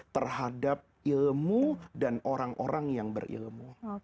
terhadap ilmu dan orang orang yang berilmu